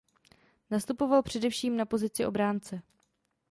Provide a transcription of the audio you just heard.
Nastupoval především na pozici obránce.